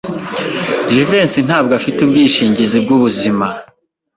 Jivency ntabwo afite ubwishingizi bwubuzima.